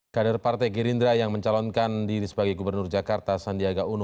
kader partai gerindra yang mencalonkan diri sebagai gubernur jakarta sandiaga uno